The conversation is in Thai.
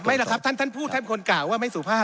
ไม่ล่ะครับท่านพูดแค่คนกล่าวว่าไม่สุภาพ